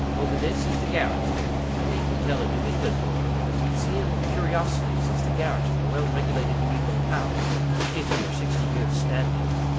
Over this is the garret. I needn't tell a New England boy what a museum of curiosities is the garret of a well regulated New England house of fifty or sixty years' standing.